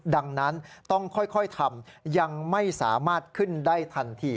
ดังนั้นต้องค่อยทำยังไม่สามารถขึ้นได้ทันที